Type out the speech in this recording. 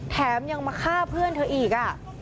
แถมยังมาฆ่าเพื่อนเธออีก